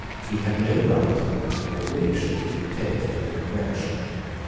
He had no right and no wish to dictate to the Convention.